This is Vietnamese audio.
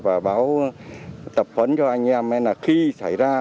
và báo tập huấn cho anh em là khi xảy ra